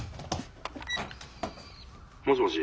☎もしもし。